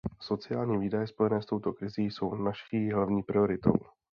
Sociální výdaje spojené s touto krizí jsou naší hlavní prioritou.